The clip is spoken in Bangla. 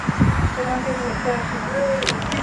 তোমাকে ধরতে আসিনি, পিচ্চি!